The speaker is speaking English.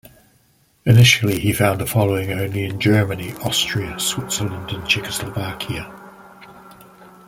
Initially he found a following only in Germany, Austria, Switzerland and Czechoslovakia.